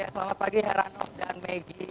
selamat pagi heranov dan megi